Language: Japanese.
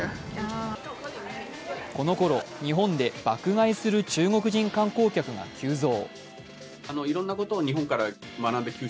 このころ、日本で爆買いする中国人観光客が急増。